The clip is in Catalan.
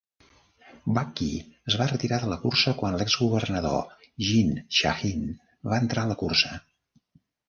Buckey es va retirar de la cursa quan l'ex governador Jeanne Shaheen va entrar a la cursa.